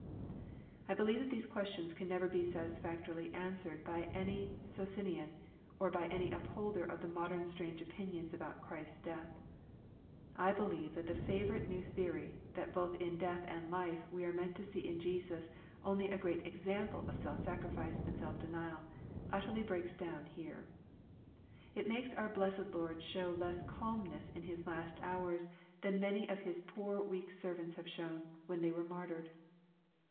I believe that these questions can never be satisfactorily an swered by any Socinian, or by any upholder of the modern strange opinions about Christ's death. I believe that the favorite new theory, that both in death and life, we are meant to see in Jesus only a great example of self sacrifice and" getf denial, utterly breaks down here. It makes our blessed Lord show less calmness in His last hours than many of his poor weak servants have shown, when they were martyred.